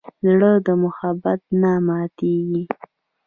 زړه د محبت نه ماتېږي.